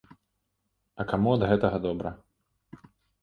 А каму ад гэтага добра?